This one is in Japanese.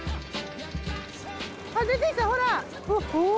あっ出てきたほら！